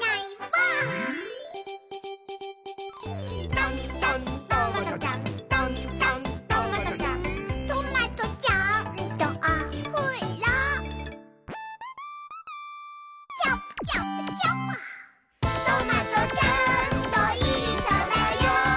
「とんとんトマトちゃん」「とんとんトマトちゃん」「トマトちゃんとおふろチャプ・チャプ・チャプ」「トマトちゃんといっしょだよ」